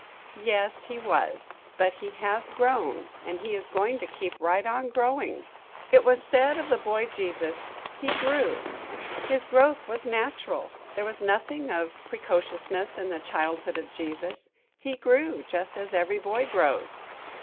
Yes, he was, but he has grown, and he is going to keep right on growing. It was said of the boy Jesus, "He grew." His growth was natural. There was nothing of precociousness in the childhood of Jesus. He grew, just as every boy grows.